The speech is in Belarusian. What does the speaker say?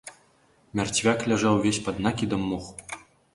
Мярцвяк ляжаў увесь пад накідам моху.